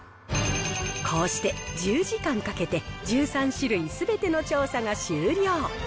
こうして１０時間かけて、１３種類すべての調査が終了。